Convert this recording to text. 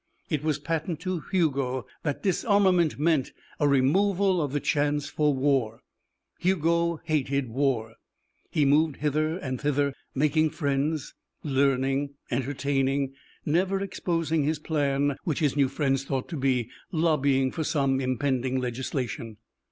It was patent to Hugo that disarmament meant a removal of the chance for war; Hugo hated war. He moved hither and thither, making friends, learning, entertaining, never exposing his plan which his new friends thought to be lobbying for some impending legislation.